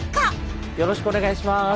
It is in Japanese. よろしくお願いします。